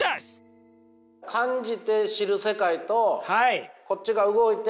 感じて知る世界とこっちが動いて。